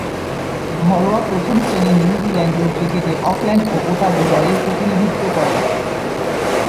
ঘরোয়া প্রথম-শ্রেণীর নিউজিল্যান্ডীয় ক্রিকেটে অকল্যান্ড ও ওতাগো দলের প্রতিনিধিত্ব করেন।